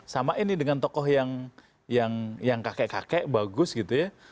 sama ini dengan tokoh yang kakek kakek bagus gitu ya